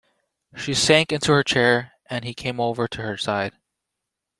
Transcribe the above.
She sank into her chair, and he came over to her side.